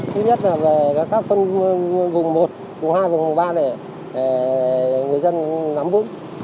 thứ nhất là về các phân vùng một vùng hai vùng ba để người dân nắm vững